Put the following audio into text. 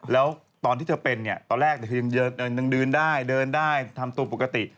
แล้วตอนที่เธอเป็นเนี่ยตอนแรกคือยังเดินได้เดินได้ทำตัวปกติ